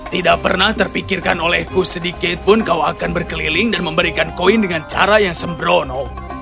tidak pernah terpikirkan olehku sedikitpun kau akan berkeliling dan memberikan koin dengan cara yang sembrono